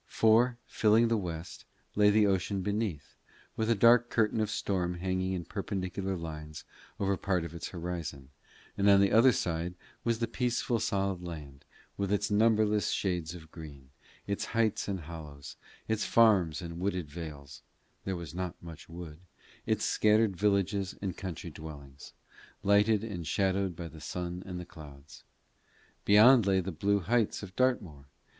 For, filling the west, lay the ocean beneath, with a dark curtain of storm hanging in perpendicular lines over part of its horizon, and on the other side was the peaceful solid land, with its numberless shades of green, its heights and hollows, its farms and wooded vales there was not much wood its scattered villages and country dwellings, lighted and shadowed by the sun and the clouds. Beyond lay the blue heights of Dartmoor.